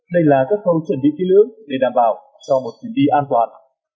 đây là các khâu chuẩn bị kỹ lưỡng để đảm bảo cho một chuyến đi an toàn